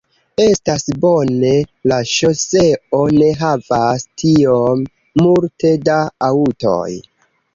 Estas bone, la ŝoseo ne havas tiom multe da aŭtoj